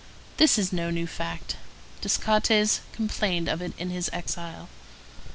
This is no new fact; Descartes complained of it in his exile.